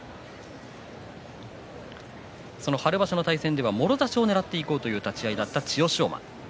その春場所の対戦ではもろ差しをねらっていこうという立ち合いだった千代翔馬。